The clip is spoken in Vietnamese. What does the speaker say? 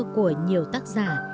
của nhiều tác giả